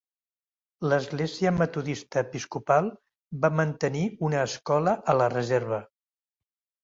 L'Església Metodista Episcopal va mantenir una escola a la reserva.